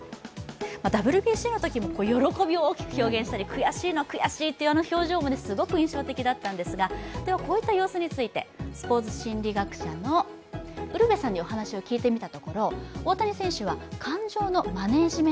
ＷＢＣのときも、喜びを大きく表現したり、悔しいとあの表情もすごく印象的だったんですが、スポーツ心理学者のウルヴェさんにお話を聞きました。